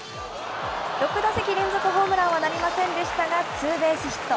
６打席連続ホームランはなりませんでしたが、ツーベースヒット。